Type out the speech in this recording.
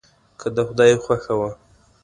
که د خدای خوښه وه.